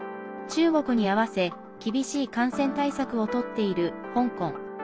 中国に合わせ厳しい感染対策をとっている香港。